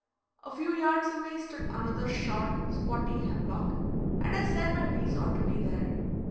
A few yards away stood another short, squatty hemlock, and I said my bees ought to be there.